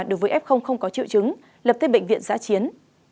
đối với f không có triệu chứng lập thêm bệnh viện giá chiến